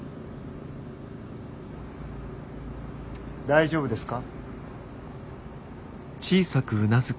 大丈夫ですか？